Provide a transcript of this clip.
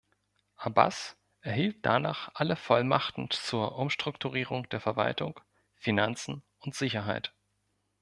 Abbas erhielt danach alle Vollmachten zur Umstrukturierung der Verwaltung, Finanzen und Sicherheit.